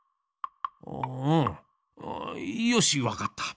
ああうんよしわかった。